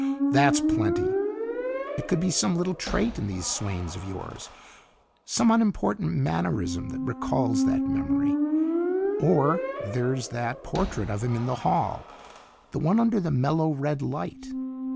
"That's plenty. It could be some little trait in these swains of yours, some unimportant mannerism that recalls that memory. Or there's that portrait of him in the hall the one under the mellow red light.